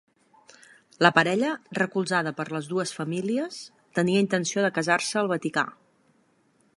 La parella, recolzada per les dues famílies, tenia intenció de casar-se al Vaticà.